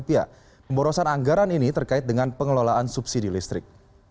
pemborosan anggaran ini terkait dengan pengelolaan subsidi listrik